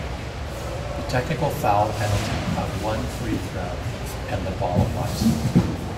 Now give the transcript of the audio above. The technical foul penalty of one free throw and the ball applies.